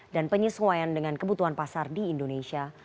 dan penyesuaian dengan kebutuhan pasar di indonesia